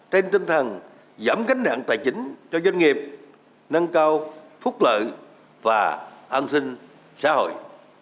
trên tinh thần giảm cánh nặng tài chính cho doanh nghiệp nâng cao phúc lợi và an sinh xã hội